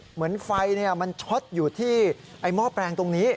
เหมือนไฟมันช็อตอยู่ที่ไอ้หม้อแปลงตรงนี้